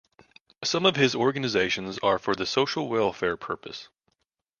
Some of his organizations are for the social welfare purpose.